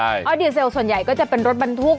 ออสดีเซลส่วนใหญ่ก็จะเป็นรถบรรทุก